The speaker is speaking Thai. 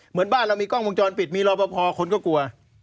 เหมือนบ้านเรามีกล้องวงจรปิดมีรอปภคนก็กลัว